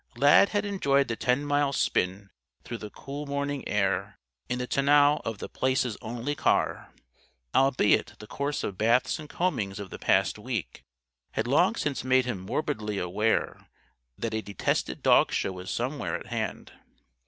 Lad had enjoyed the ten mile spin through the cool morning air, in the tonneau of The Place's only car albeit the course of baths and combings of the past week had long since made him morbidly aware that a detested dog show was somewhere at hand.